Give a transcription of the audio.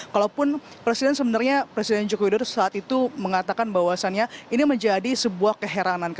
kalaupun presiden sebenarnya presiden jokowi dodo saat itu mengatakan bahwasannya ini menjadi sebuah keheranan